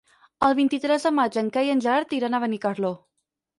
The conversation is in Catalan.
El vint-i-tres de maig en Cai i en Gerard iran a Benicarló.